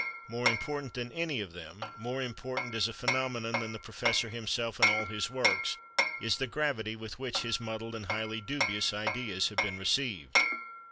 More important than any of them, more important as a phenomenon than the professor himself and all his works, is the gravity with which his muddled and highly dubious ideas have been received.